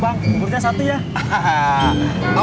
bang burnya satu ya